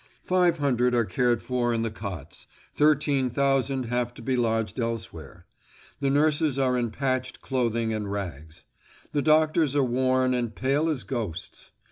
Five hundred are cared for in the cots; thirteen thousand have to be lodged elsewhere. The nurses are in patched clothing and rags. The doctors are worn and pale as ghosts.